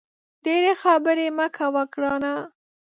ډېري خبري مه کوه ګرانه !